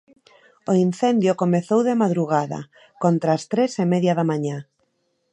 O incendio comezou de madrugada, contra as tres e media da mañá.